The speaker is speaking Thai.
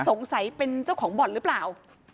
สงสัยเป็นเจ้าของบ่อนหรือเปล่า